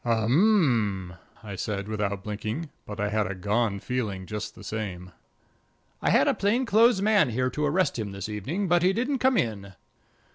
"Um m," I said, without blinking, but I had a gone feeling just the same. "I had a plain clothes man here to arrest him this evening, but he didn't come in."